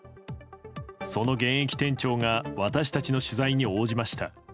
その現役店長が私たちの取材に応じました。